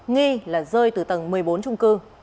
nghi là rơi từ tầng một mươi bốn trung cư